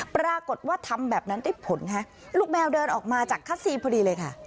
ปรากฏว่าทำแบบนั้นได้ผลค่ะลูกแมวเดินออกมาจากคัสซีพอดีเลยค่ะ